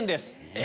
え